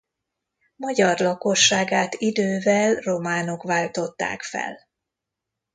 Magyar lakosságát idővel románok váltották fel.